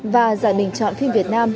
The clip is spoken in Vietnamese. và giải bình chọn phim việt nam